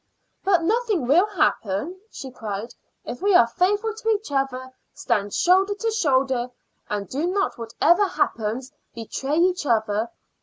"But nothing will happen," she cried, "if we are faithful to each other, stand shoulder to shoulder, and do not whatever happens, betray each other.